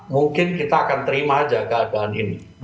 mungkin kita akan terima aja keadaan ini